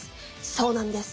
そうなんです！